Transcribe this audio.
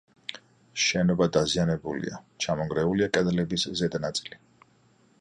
შენობა დაზიანებულია: ჩამონგრეულია კედლების ზედა ნაწილი.